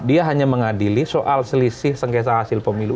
dia hanya mengadili soal selisih sengketa hasil pemilu